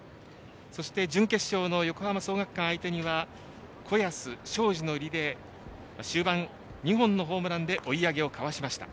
そして準決勝の横浜創学館相手には子安、庄司のリレーと終盤、２本のホームランで追い上げをかわしました。